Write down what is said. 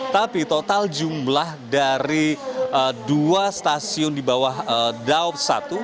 tapi total jumlah dari dua stasiun di bawah daup satu